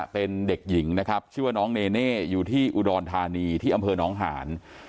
เป็นเด็กหญิงนะครับชื่อว่าน้องเนเน่อยู่ที่อุดรธานีที่อำเภอน้องหาน